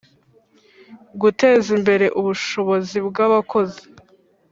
guteza imbere ubushobozi bw'abakozi,